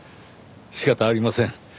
仕方ありません。